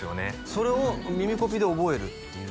それを耳コピで覚えるっていう？